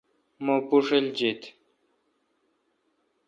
مہ بوݭل جیت۔